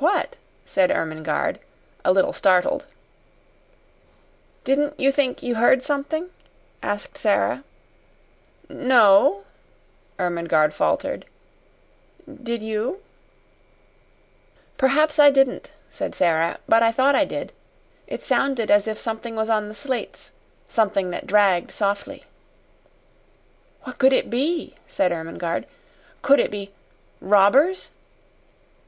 "What?" said Ermengarde, a little startled. "Didn't you think you heard something?" asked Sara. "N no," Ermengarde faltered. "Did you?" {another ed. has "No no,"} "Perhaps I didn't," said Sara; "but I thought I did. It sounded as if something was on the slates something that dragged softly." "What could it be?" said Ermengarde. "Could it be robbers?"